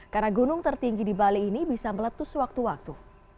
karena gunung tertinggi di bali ini bisa meletus waktu waktu